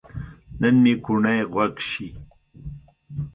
نن مې کوڼۍ خوږ شي